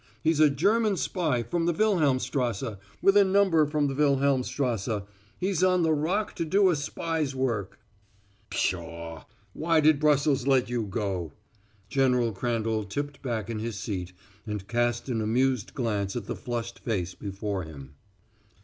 He's a German spy from the Wilhelmstrasse with a number from the Wilhelmstrasse! He's on the Rock to do a spy's work!" [Illustration: "He's a German spy."] "Pshaw! Why did Brussels let you go?" General Crandall tipped back in his seat and cast an amused glance at the flushed face before him.